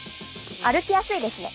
歩きやすいですね。